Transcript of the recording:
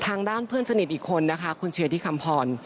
ทางด้านเพื่อนสนิทอีกคนนะคะคุณเชียร์ที่คำพร